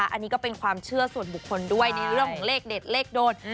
อันนี้ก็เป็นความเชื่อส่วนบุคคลด้วยในเรื่องของเลขเด็ดเลขโดน